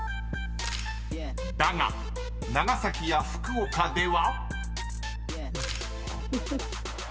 ［だが長崎や福岡では？］